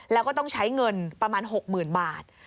แล้วก็ต้องใช้เงินประมาณ๖๐๐๐บาท